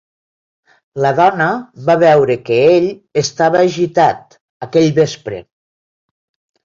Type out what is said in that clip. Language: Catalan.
La dona va veure que ell estava agitat, aquell vespre.